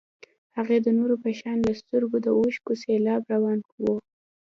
هغې د نورو په شان له سترګو د اوښکو سېلاب روان و.